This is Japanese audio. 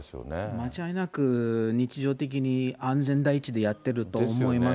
間違いなく、日常的に安全第一でやってると思います。